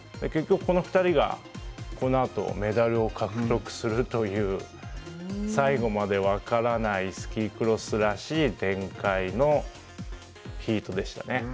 結局、この２人がこのあとメダルを獲得するという最後まで分からないスキークロスらしい展開のヒートでしたね。